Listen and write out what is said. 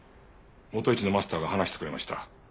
もと一のマスターが話してくれました。